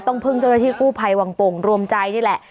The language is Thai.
พึ่งเจ้าหน้าที่กู้ภัยวังโป่งรวมใจนี่แหละ